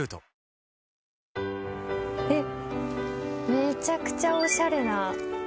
めちゃくちゃおしゃれな。